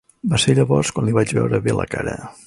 Va ser llavors quan li vaig veure bé la cara.